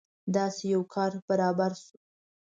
داسې یو کار برابر شو.